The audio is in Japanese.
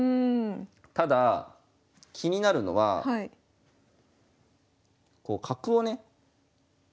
ただ気になるのはこう角をね